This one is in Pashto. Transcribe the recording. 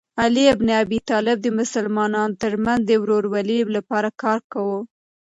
علي بن ابي طالب د مسلمانانو ترمنځ د ورورولۍ لپاره کار کاوه.